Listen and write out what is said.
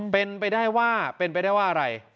เป็นไปได้ว่าเป็นไปได้ว่าอะไร